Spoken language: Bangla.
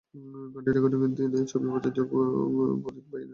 গানটির রেকর্ডিংয়ের দিন ছবির প্রযোজক ফরিদ ভাইয়ের স্ত্রী গানটি শুনে কেঁদে দিলেন।